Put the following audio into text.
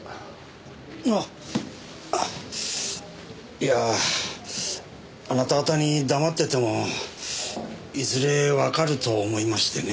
いやああなた方に黙っててもいずれわかると思いましてね。